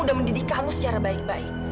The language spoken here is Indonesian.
udah mendidik kamu secara baik baik